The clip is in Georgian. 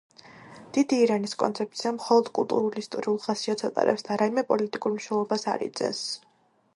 დიდი ირანის კონცეფცია მხოლოდ კულტურულ-ისტორიულ ხასიათს ატარებს და რაიმე პოლიტიკურ მნიშვნელობას არ იძენს.